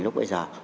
lúc bây giờ